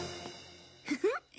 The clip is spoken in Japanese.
フフッ。